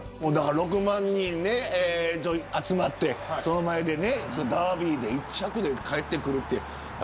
６万人集まって、その前でダービーで１着でかえってくるって。